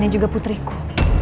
dan ini juga putriku